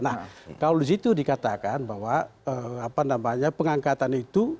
nah kalau di situ dikatakan bahwa pengangkatan itu